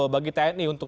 bagi tni untuk